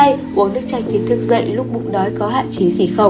hai uống nước chanh khi thức dậy lúc bụng đói có hạn chế